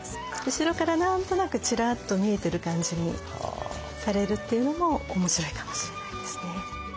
後ろから何となくチラッと見えてる感じにされるっていうのも面白いかもしれないですね。